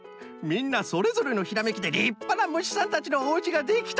みんなそれぞれのひらめきでりっぱなむしさんたちのおうちができた。